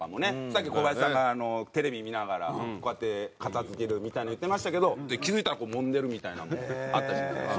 さっきコバヤシさんがテレビ見ながらこうやって型つけるみたいに言ってましたけど気付いたらこうもんでるみたいなのもあったりします。